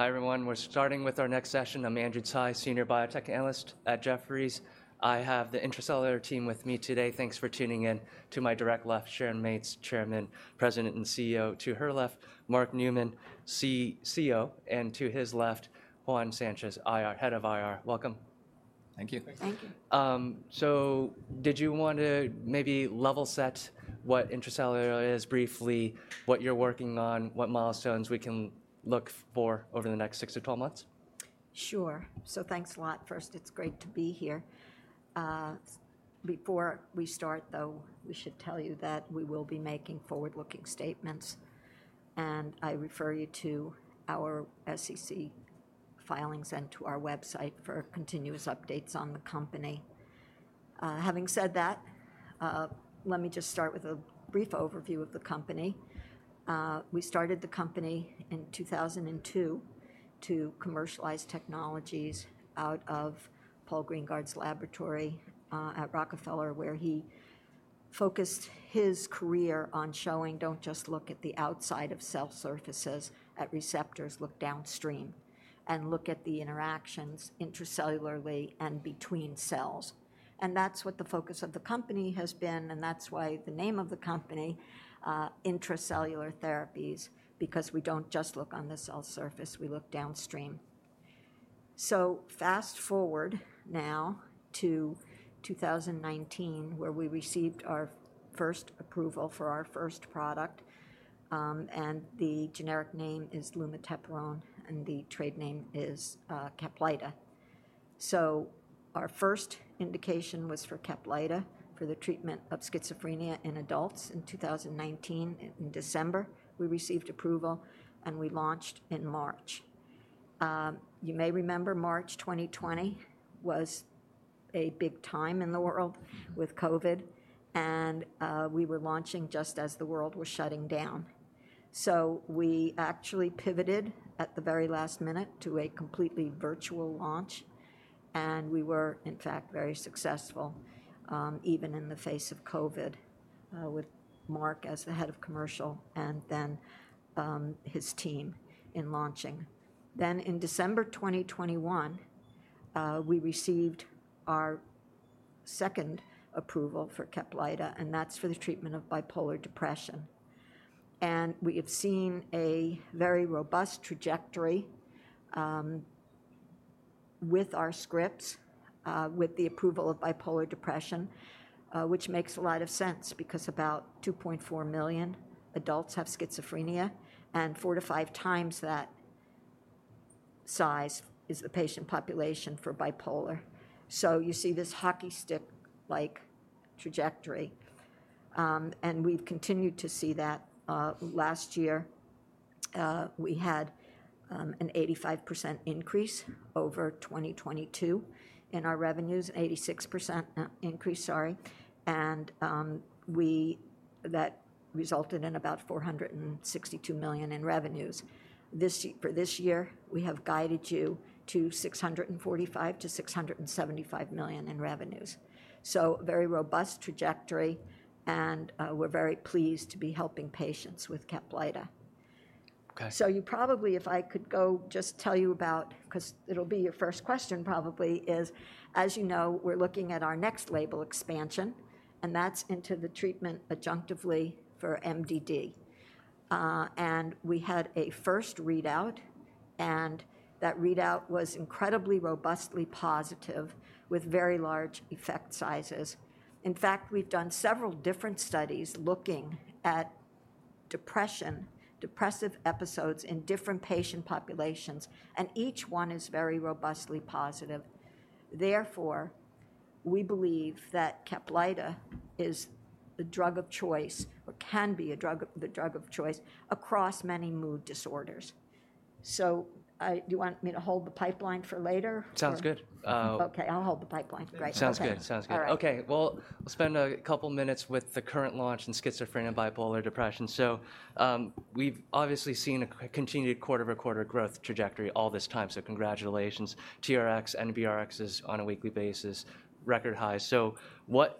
Hi, everyone. We're starting with our next session. I'm Andrew Tsai, senior biotech analyst at Jefferies. I have the Intra-Cellular team with me today. Thanks for tuning in. To my direct left, Sharon Mates, Chairman, President, and CEO. To her left, Mark Neumann, CCO, and to his left, Juan Sanchez, IR, Head of IR. Welcome. Thank you. Thank you. Did you want to maybe level set what Intra-Cellular is briefly, what you're working on, what milestones we can look for over the next 6-12 months? Sure. So thanks a lot. First, it's great to be here. Before we start, though, we should tell you that we will be making forward-looking statements, and I refer you to our SEC filings and to our website for continuous updates on the company. Having said that, let me just start with a brief overview of the company. We started the company in 2002 to commercialize technologies out of Paul Greengard's laboratory, at Rockefeller, where he focused his career on showing, "Don't just look at the outside of cell surfaces, at receptors. Look downstream and look at the interactions intracellularly and between cells." And that's what the focus of the company has been, and that's why the name of the company, Intra-Cellular Therapies, because we don't just look on the cell surface, we look downstream. So fast-forward now to 2019, where we received our first approval for our first product, and the generic name is lumateperone, and the trade name is, CAPLYTA. So our first indication was for CAPLYTA, for the treatment of schizophrenia in adults in 2019. In December, we received approval, and we launched in March. You may remember March 2020 was a big time in the world with COVID, and we were launching just as the world was shutting down. So we actually pivoted at the very last minute to a completely virtual launch, and we were, in fact, very successful, even in the face of COVID, with Mark as the head of commercial and then, his team in launching. Then, in December 2021, we received our second approval for CAPLYTA, and that's for the treatment of bipolar depression. And we have seen a very robust trajectory with our scripts with the approval of bipolar depression, which makes a lot of sense because about 2.4 million adults have schizophrenia, and 4-5 times that size is the patient population for bipolar. So you see this hockey stick-like trajectory, and we've continued to see that. Last year, we had an 85% increase over 2022 in our revenues, 86% increase, sorry, and we... That resulted in about $462 million in revenues. For this year, we have guided you to $645 million-$675 million in revenues. So a very robust trajectory, and we're very pleased to be helping patients with CAPLYTA. Okay. So you probably, if I could go just tell you about... 'cause it'll be your first question, probably, is, as you know, we're looking at our next label expansion, and that's into the treatment adjunctively for MDD. And we had a first readout, and that readout was incredibly robustly positive, with very large effect sizes. In fact, we've done several different studies looking at depression, depressive episodes in different patient populations, and each one is very robustly positive. Therefore, we believe that CAPLYTA is the drug of choice or can be a drug of, the drug of choice across many mood disorders. So, do you want me to hold the pipeline for later? Sounds good. Okay, I'll hold the pipeline. Great. Sounds good. Okay. Sounds good. All right. Okay, well, we'll spend a couple minutes with the current launch in schizophrenia and bipolar depression. So, we've obviously seen a continued quarter-over-quarter growth trajectory all this time, so congratulations. TRx, NBRx on a weekly basis, record high. So what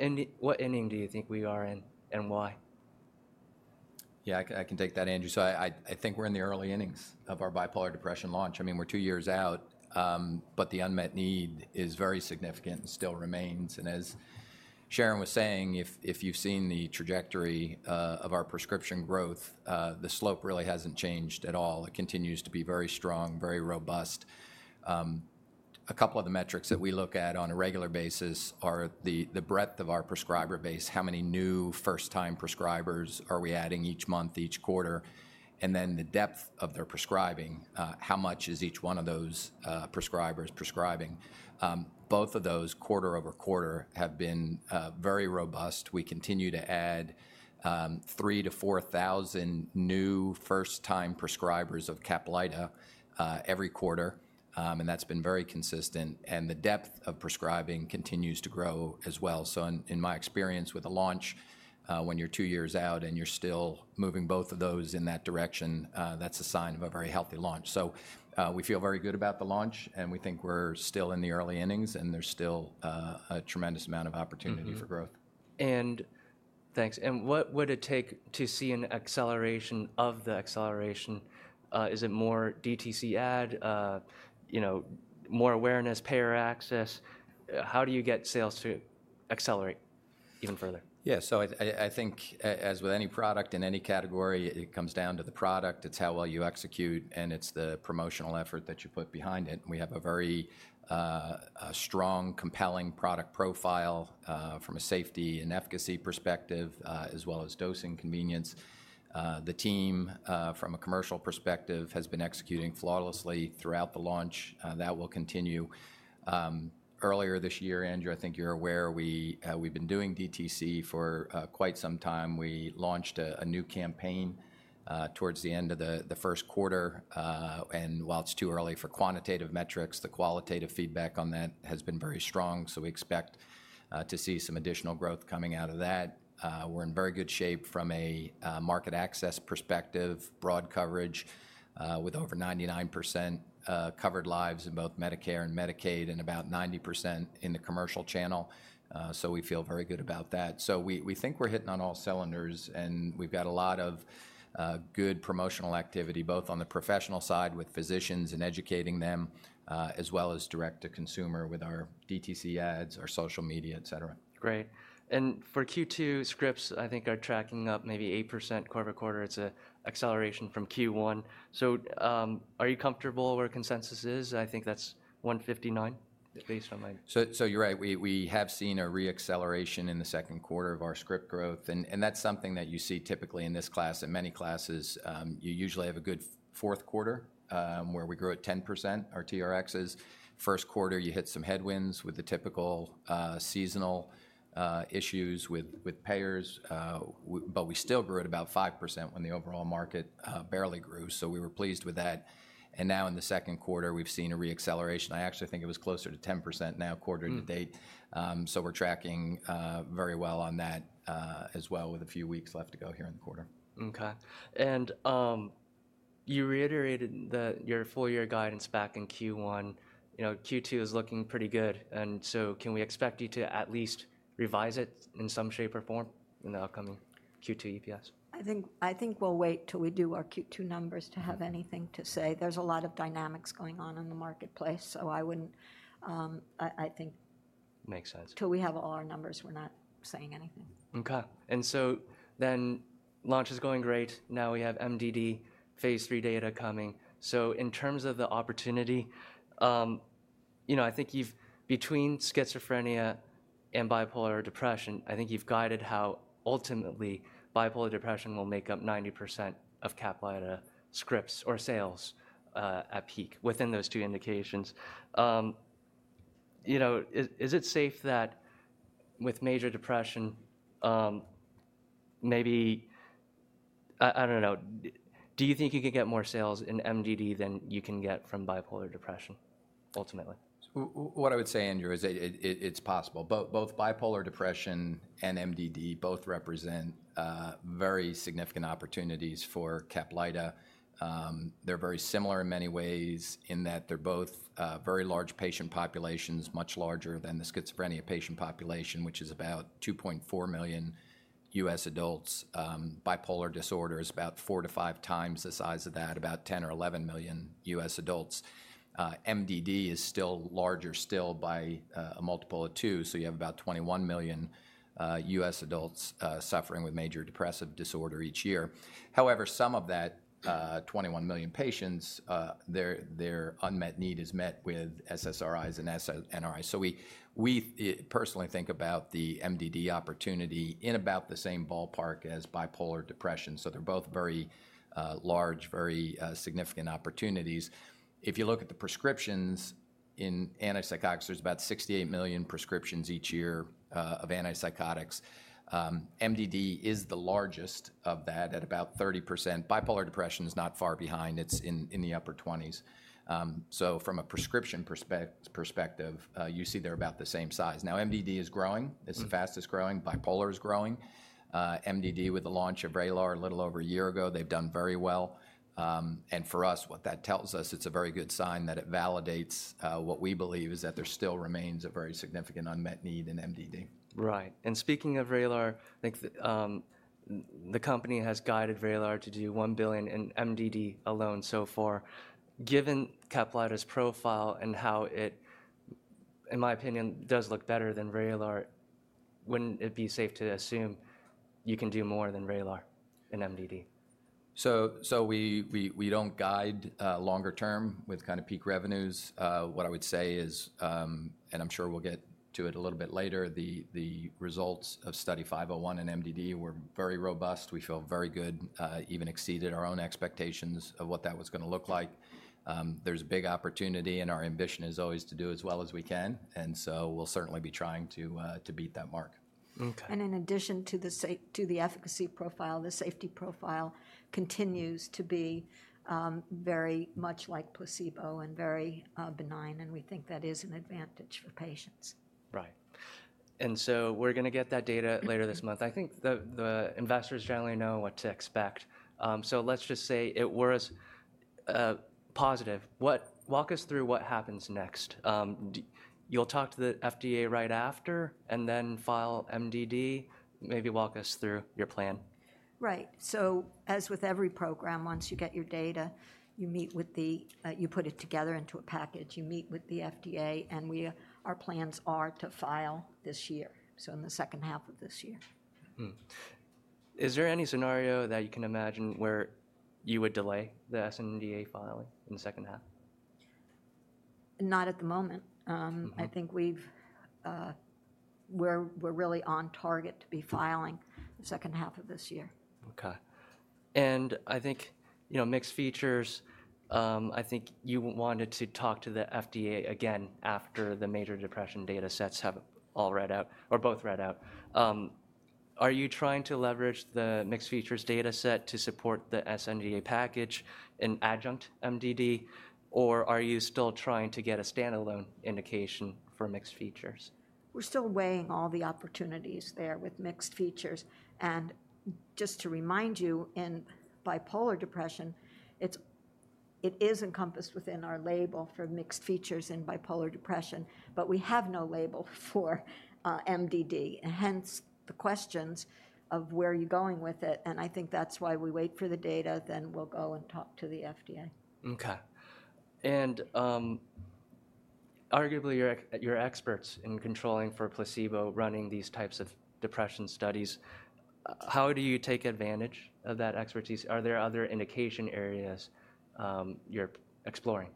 inning do you think we are in, and why? Yeah, I can take that, Andrew. So I think we're in the early innings of our bipolar depression launch. I mean, we're two years out, but the unmet need is very significant and still remains, and as Sharon was saying, if you've seen the trajectory of our prescription growth, the slope really hasn't changed at all. It continues to be very strong, very robust. A couple of the metrics that we look at on a regular basis are the breadth of our prescriber base, how many new first-time prescribers are we adding each month, each quarter? And then the depth of their prescribing, how much is each one of those prescribers prescribing? Both of those, quarter-over-quarter, have been very robust. We continue to add 3,000-4,000 new first-time prescribers of CAPLYTA every quarter, and that's been very consistent, and the depth of prescribing continues to grow as well. In my experience with the launch, when you're two years out, and you're still moving both of those in that direction, that's a sign of a very healthy launch. We feel very good about the launch, and we think we're still in the early innings, and there's still a tremendous amount of opportunity. Mm-hmm... for growth. Thanks. And what would it take to see an acceleration of the acceleration? Is it more DTC ad, you know, more awareness, payer access? How do you get sales to accelerate even further? Yeah, so I think as with any product in any category, it comes down to the product. It's how well you execute, and it's the promotional effort that you put behind it. We have a very, a strong, compelling product profile, from a safety and efficacy perspective, as well as dosing convenience. The team, from a commercial perspective, has been executing flawlessly throughout the launch, that will continue. Earlier this year, Andrew, I think you're aware, we've been doing DTC for quite some time. We launched a new campaign towards the end of the first quarter. And while it's too early for quantitative metrics, the qualitative feedback on that has been very strong, so we expect to see some additional growth coming out of that. We're in very good shape from a market access perspective, broad coverage with over 99% covered lives in both Medicare and Medicaid, and about 90% in the commercial channel. So we feel very good about that. So we think we're hitting on all cylinders, and we've got a lot of good promotional activity, both on the professional side with physicians and educating them, as well as direct to consumer with our DTC ads, our social media, et cetera. Great. And for Q2, scripts, I think, are tracking up maybe 8% quarter-over-quarter. It's a acceleration from Q1. So, are you comfortable where consensus is? I think that's 159, based on my- So, you're right. We have seen a re-acceleration in the second quarter of our script growth, and that's something that you see typically in this class and many classes. You usually have a good fourth quarter, where we grow at 10%, our TRXs. First quarter, you hit some headwinds with the typical seasonal issues with payers. But we still grew at about 5% when the overall market barely grew, so we were pleased with that. And now in the second quarter, we've seen a re-acceleration. I actually think it was closer to 10% now quarter to date. Mm. We're tracking very well on that as well, with a few weeks left to go here in the quarter. Okay. You reiterated that your full year guidance back in Q1, you know, Q2 is looking pretty good, and so can we expect you to at least revise it in some shape or form in the upcoming Q2 EPS? I think, I think we'll wait till we do our Q2 numbers to have anything to say. There's a lot of dynamics going on in the marketplace, so I wouldn't, I, I think- Makes sense. Till we have all our numbers, we're not saying anything. Okay. Launch is going great. Now, we have MDD phase III data coming. So in terms of the opportunity, you know, I think you've guided how ultimately bipolar depression will make up 90% of CAPLYTA scripts or sales, at peak within those two indications. You know, is it safe that with major depression, maybe. I don't know. Do you think you can get more sales in MDD than you can get from bipolar depression, ultimately? What I would say, Andrew, is it's possible. Both bipolar depression and MDD represent very significant opportunities for CAPLYTA. They're very similar in many ways in that they're both very large patient populations, much larger than the schizophrenia patient population, which is about 2.4 million U.S. adults. Bipolar disorder is about 4x-5x the size of that, about 10 or 11 million U.S. adults. MDD is still larger still by a multiple of two, so you have about 21 million U.S. adults suffering with major depressive disorder each year. However, some of that 21 million patients, their unmet need is met with SSRIs and SNRIs. So we personally think about the MDD opportunity in about the same ballpark as bipolar depression, so they're both very large, very significant opportunities. If you look at the prescriptions in antipsychotics, there's about 68 million prescriptions each year of antipsychotics. MDD is the largest of that, at about 30%. Bipolar depression is not far behind, it's in the upper 20s. So from a prescription perspective, you see they're about the same size. Now, MDD is growing. Mm. It's the fastest growing. Bipolar is growing. MDD, with the launch of Vraylar a little over a year ago, they've done very well. For us, what that tells us, it's a very good sign that it validates what we believe is that there still remains a very significant unmet need in MDD. Right. And speaking of Vraylar, I think, the company has guided Vraylar to do $1 billion in MDD alone so far. Given CAPLYTA's profile and how it, in my opinion, does look better than Vraylar, wouldn't it be safe to assume you can do more than Vraylar in MDD? We don't guide longer term with kind of peak revenues. What I would say is, and I'm sure we'll get to it a little bit later, the results of Study 501 in MDD were very robust. We feel very good, even exceeded our own expectations of what that was gonna look like. There's a big opportunity, and our ambition is always to do as well as we can, and so we'll certainly be trying to beat that mark. Okay. In addition to the efficacy profile, the safety profile continues to be very much like placebo and very benign, and we think that is an advantage for patients. Right. And so we're gonna get that data later this month. I think the investors generally know what to expect. So let's just say it were positive. What? Walk us through what happens next. You'll talk to the FDA right after, and then file MDD? Maybe walk us through your plan. Right. So as with every program, once you get your data, you meet with the, you put it together into a package. You meet with the FDA, and we, our plans are to file this year, so in the second half of this year. Hmm. Is there any scenario that you can imagine where you would delay the sNDA filing in the second half? Not at the moment. Mm-hmm.... I think we've, we're really on target to be filing the second half of this year. Okay. I think, you know, mixed features, I think you wanted to talk to the FDA again after the major depression data sets have all read out or both read out. Are you trying to leverage the mixed features data set to support the sNDA package in adjunct MDD, or are you still trying to get a standalone indication for mixed features? We're still weighing all the opportunities there with mixed features, and just to remind you, in bipolar depression, it's, it is encompassed within our label for mixed features in bipolar depression, but we have no label for MDD, hence the questions of where are you going with it? And I think that's why we wait for the data, then we'll go and talk to the FDA. Okay. And, arguably, you're experts in controlling for placebo, running these types of depression studies. How do you take advantage of that expertise? Are there other indication areas you're exploring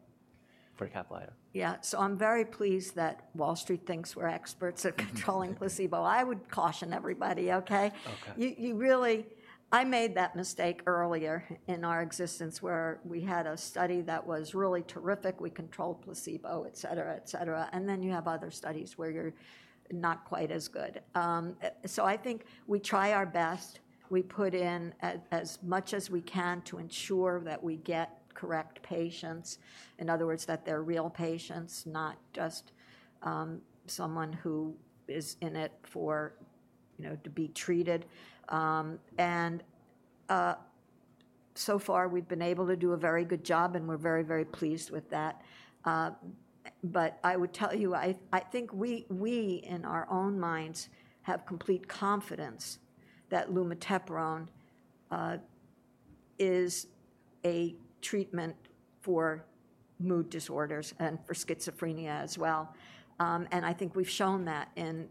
for CAPLYTA? Yeah. So I'm very pleased that Wall Street thinks we're experts at controlling placebo. I would caution everybody, okay? Okay. I made that mistake earlier in our existence, where we had a study that was really terrific. We controlled placebo, et cetera, et cetera, and then you have other studies where you're not quite as good. So I think we try our best. We put in as much as we can to ensure that we get correct patients, in other words, that they're real patients, not just someone who is in it for, you know, to be treated. And so far we've been able to do a very good job, and we're very, very pleased with that. But I would tell you, I think we in our own minds have complete confidence that lumateperone is a treatment for mood disorders and for schizophrenia as well. And I think we've shown that in...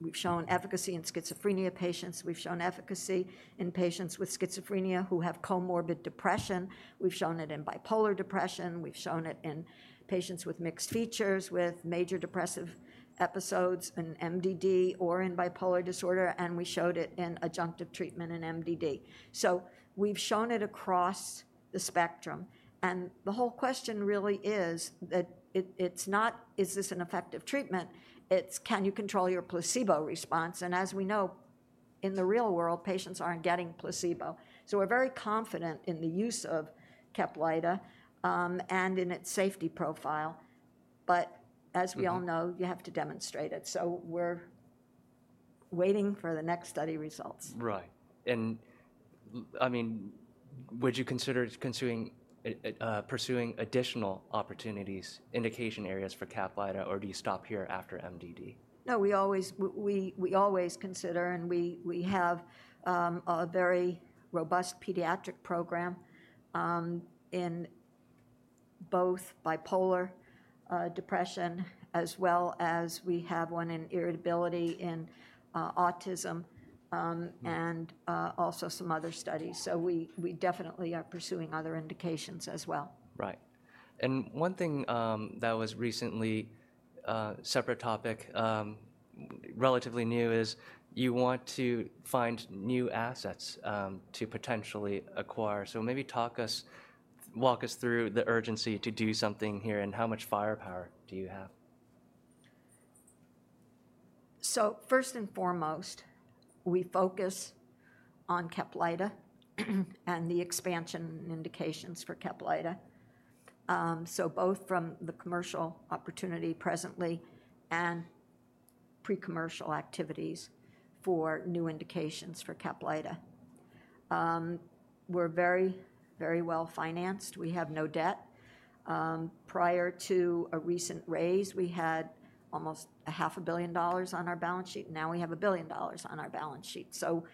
We've shown efficacy in schizophrenia patients. We've shown efficacy in patients with schizophrenia who have comorbid depression. We've shown it in bipolar depression. We've shown it in patients with mixed features, with major depressive episodes, in MDD or in bipolar disorder, and we showed it in adjunctive treatment in MDD. So we've shown it across the spectrum, and the whole question really is that, it, it's not, is this an effective treatment? It's, can you control your placebo response? And as we know, in the real world, patients aren't getting placebo. So we're very confident in the use of CAPLYTA, and in its safety profile. But as we all know- Mm-hmm... you have to demonstrate it, so we're waiting for the next study results. Right. And, I mean, would you consider pursuing additional opportunities, indication areas for CAPLYTA, or do you stop here after MDD? No, we always consider, and we have a very robust pediatric program in both bipolar depression, as well as we have one in irritability in autism. Mm... and, also some other studies. So we definitely are pursuing other indications as well. Right. And one thing that was recently, separate topic, relatively new, is you want to find new assets to potentially acquire. So maybe walk us through the urgency to do something here, and how much firepower do you have? So first and foremost, we focus on CAPLYTA and the expansion and indications for CAPLYTA. So both from the commercial opportunity presently and pre-commercial activities for new indications for CAPLYTA. We're very, very well-financed. We have no debt. Prior to a recent raise, we had almost $500 million on our balance sheet. Now we have $1 billion on our balance sheet. So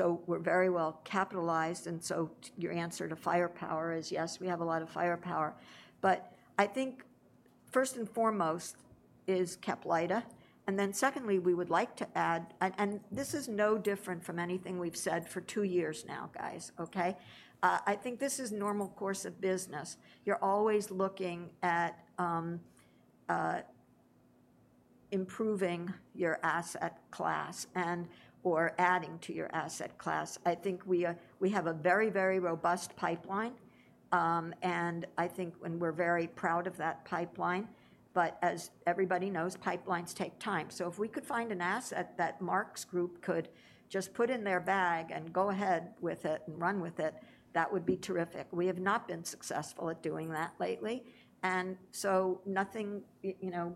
we're very well capitalized, and so your answer to firepower is, yes, we have a lot of firepower. But I think first and foremost is CAPLYTA, and then secondly, we would like to add, and, and this is no different from anything we've said for two years now, guys, okay? I think this is normal course of business. You're always looking at improving your asset class and, or adding to your asset class. I think we, we have a very, very robust pipeline, and I think, and we're very proud of that pipeline. But as everybody knows, pipelines take time. So if we could find an asset that Mark's group could just put in their bag and go ahead with it and run with it, that would be terrific. We have not been successful at doing that lately, and so nothing, you know...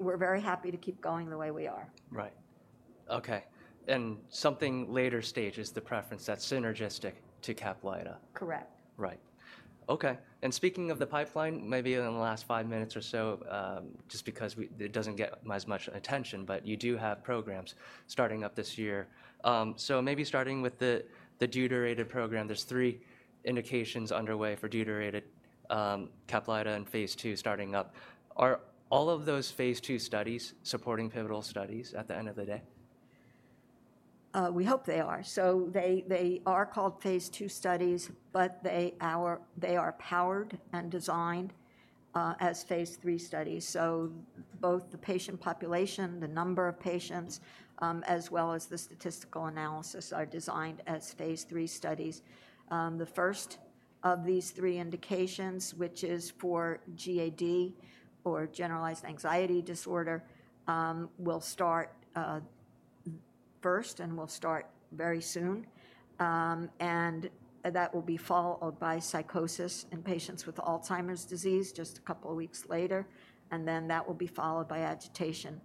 we're very happy to keep going the way we are. Right. Okay, and something later stage is the preference that's synergistic to CAPLYTA? Correct. Right. Okay, and speaking of the pipeline, maybe in the last five minutes or so, just because it doesn't get as much attention, but you do have programs starting up this year. So maybe starting with the deuterated program, there's 3 indications underway for deuterated CAPLYTA in phase II starting up. Are all of those phase II studies supporting pivotal studies at the end of the day? We hope they are. So they are called phase II studies, but they are powered and designed as phase III studies. So both the patient population, the number of patients, as well as the statistical analysis are designed as phase III studies. The first of these three indications, which is for GAD or generalized anxiety disorder, will start first and will start very soon. And that will be followed by psychosis in patients with Alzheimer's disease just a couple of weeks later, and then that will be followed by agitation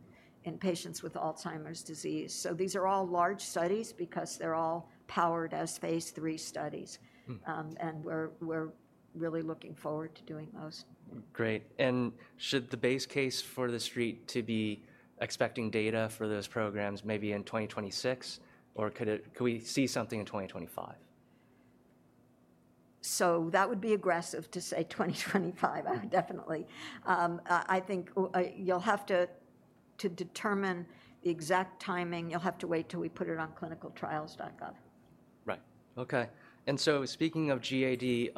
in patients with Alzheimer's disease. So these are all large studies because they're all powered as phase III studies. Hmm. And we're really looking forward to doing those. Great. Should the base case for The Street be expecting data for those programs maybe in 2026, or could it- could we see something in 2025? So that would be aggressive to say 2025, definitely. I think to determine the exact timing, you'll have to wait till we put it on ClinicalTrials.gov. Right. Okay. And so speaking of GAD,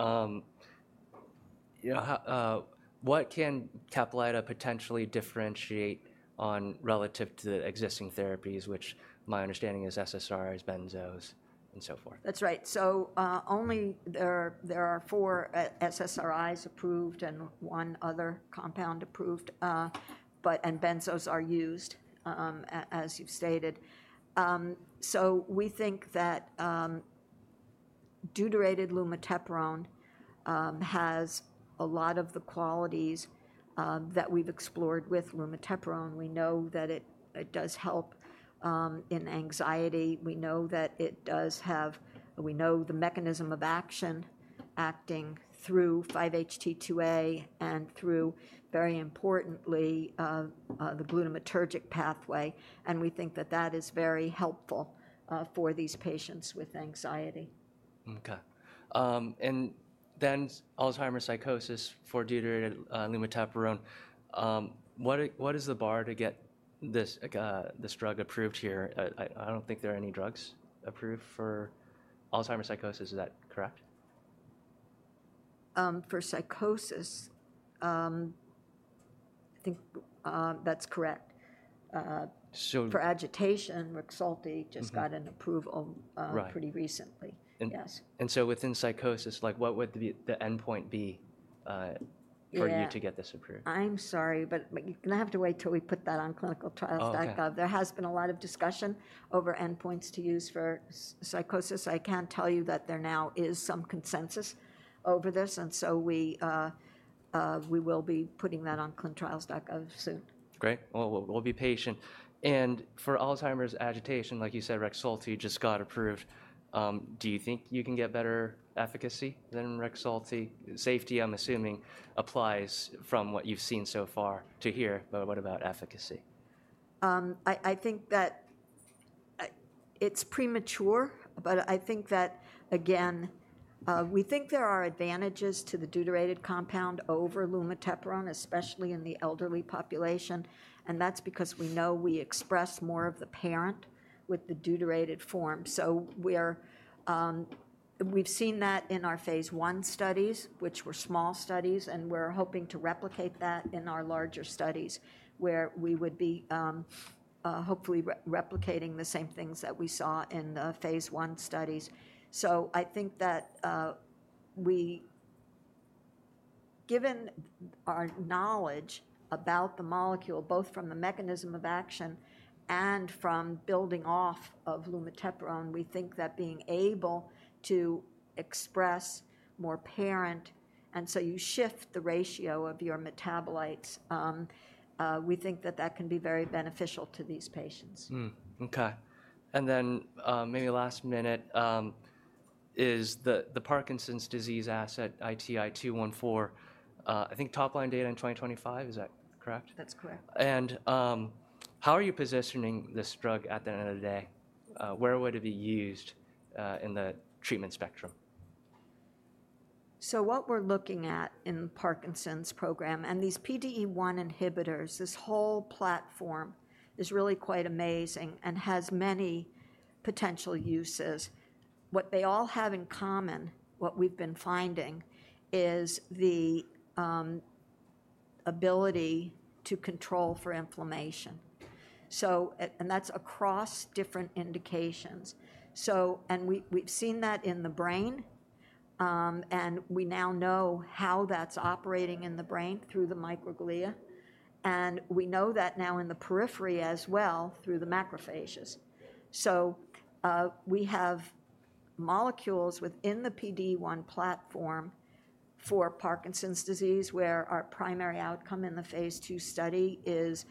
what can CAPLYTA potentially differentiate on relative to the existing therapies, which my understanding is SSRIs, benzos, and so forth? That's right. So only there are four SSRIs approved and one other compound approved. But and benzos are used as you've stated. So we think that deuterated lumateperone has a lot of the qualities that we've explored with lumateperone. We know that it does help in anxiety. We know that it does have... We know the mechanism of action, acting through 5-HT2A and through, very importantly, the glutamatergic pathway, and we think that that is very helpful for these patients with anxiety. Okay. And then Alzheimer's psychosis for deuterated lumateperone, what is the bar to get this drug approved here? I don't think there are any drugs approved for Alzheimer's psychosis. Is that correct? For psychosis, I think that's correct. So- For agitation, REXULTI- Mm-hmm... just got an approval, Right... pretty recently. And- Yes. And so within psychosis, like, what would the endpoint be? Yeah... for you to get this approved? I'm sorry, but you're gonna have to wait till we put that on clinicaltrials.gov. Oh, okay. There has been a lot of discussion over endpoints to use for schizophrenia. I can tell you that there now is some consensus over this, and so we will be putting that on clinicaltrials.gov soon. Great. Well, we'll be patient. For Alzheimer's agitation, like you said, REXULTI just got approved. Do you think you can get better efficacy than REXULTI? Safety, I'm assuming, applies from what you've seen so far to here, but what about efficacy? I think that it's premature, but I think that, again, we think there are advantages to the deuterated compound over lumateperone, especially in the elderly population, and that's because we know we express more of the parent with the deuterated form. So we're... We've seen that in our phase I studies, which were small studies, and we're hoping to replicate that in our larger studies, where we would be hopefully replicating the same things that we saw in the phase I studies. So I think that, given our knowledge about the molecule, both from the mechanism of action and from building off of lumateperone, we think that being able to express more parent, and so you shift the ratio of your metabolites, we think that that can be very beneficial to these patients. Hmm, okay. And then, maybe last minute, is the Parkinson's disease asset, ITI-214, I think top-line data in 2025, is that correct? That's correct. How are you positioning this drug at the end of the day? Where would it be used in the treatment spectrum? So what we're looking at in the Parkinson's program, and these PDE1 inhibitors, this whole platform is really quite amazing and has many potential uses. What they all have in common, what we've been finding, is the ability to control for inflammation. So and that's across different indications. So, and we've seen that in the brain, and we now know how that's operating in the brain through the microglia, and we know that now in the periphery as well through the macrophages. So, we have molecules within the PDE1 platform for Parkinson's disease, where our primary outcome in the phase two study is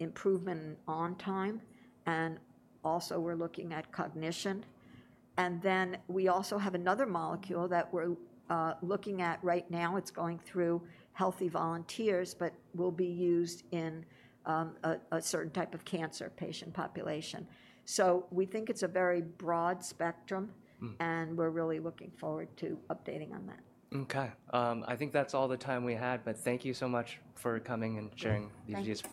improvement on time, and also we're looking at cognition. And then we also have another molecule that we're looking at right now. It's going through healthy volunteers, but will be used in a certain type of cancer patient population. So we think it's a very broad spectrum- Hmm... and we're really looking forward to updating on that. Okay, I think that's all the time we had, but thank you so much for coming and sharing these views.